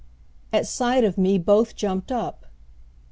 At sight of me both jumped up.